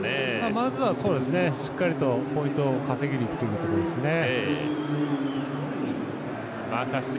まずはしっかりとポイントを稼ぎにいくというところですね。